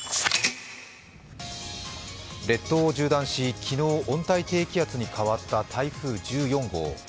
列島を縦断し、昨日、温帯低気圧に変わった台風１４号。